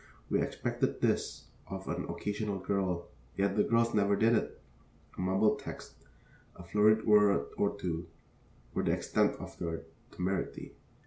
We expected this of an occasional girl, yet the girls never did it; a mumbled text, a flurried word or two, were the extent of their temerity.